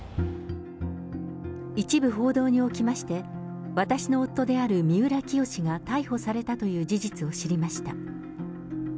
一部報道におきまして、私の夫である三浦清志が逮捕されたという事実を知りました。